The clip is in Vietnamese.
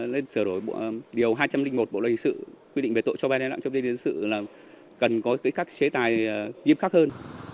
để sửa đổi điều hai trăm linh một bộ lãnh sự quy định về tội cho vay đáy lặng trong gia đình dân sự là cần có các chế tài nghiêm khắc hơn